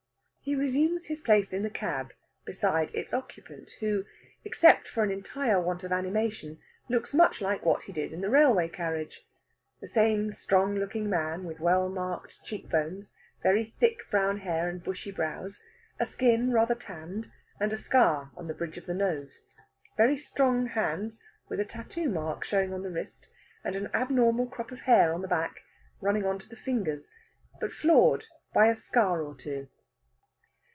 He resumes his place in the cab beside its occupant, who, except for an entire want of animation, looks much like what he did in the railway carriage the same strong looking man with well marked cheek bones, very thick brown hair and bushy brows, a skin rather tanned, and a scar on the bridge of the nose; very strong hands with a tattoo mark showing on the wrist and an abnormal crop of hair on the back, running on to the fingers, but flawed by a scar or two.